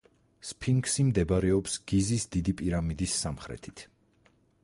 სფინქსი მდებარეობს გიზის დიდი პირამიდის სამხრეთით.